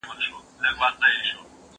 زه بايد کالي وپرېولم!؟